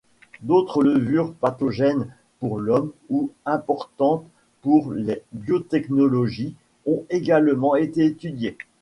D’autres levures pathogènes pour l’homme ou importantes pour les biotechnologies ont également été étudiées.